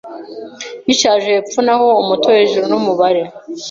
bishaje hepfo naho umuto hejuru numubare